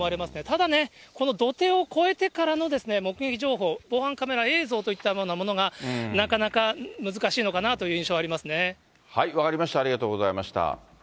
ただ、この土手を越えてからの目撃情報、防犯カメラ映像といったものが、なかなか難しいのかなという印象分かりました、ありがとうございました。